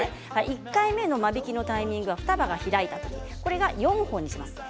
１回目の間引きのタイミングは双葉が開いた時、４本にします。